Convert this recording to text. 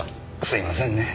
すいませんね。